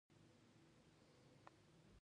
بوتل بیا کارونه د اقتصاد مرسته کوي.